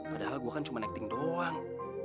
padahal gue kan cuma necting doang